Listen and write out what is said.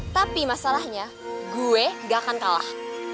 tapi masalahnya gue gak akan kalah